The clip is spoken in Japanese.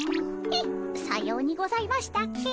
えっさようにございましたっけ？